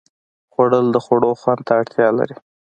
خوړل د خوړو هنر ته اړتیا لري